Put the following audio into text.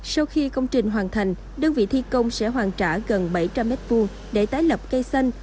sau khi công trình hoàn thành đơn vị thi công sẽ hoàn trả gần bảy trăm linh m hai để tái lập cây xanh